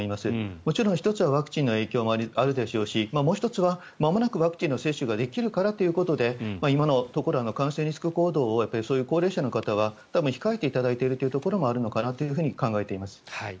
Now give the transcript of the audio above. もちろん１つはワクチンの影響もあるでしょうしもう１つはまもなくワクチンの接種ができるからということで今のところ感染リスク行動をそういう高齢者の方は控えていただいているところがあるのかなというふうに考えています。